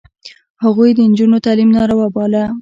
هغوی د نجونو تعلیم ناروا باله.